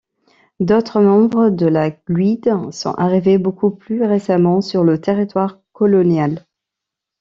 D'autres membres de la guilde sont arrivées beaucoup plus récemment sur le territoire colonial.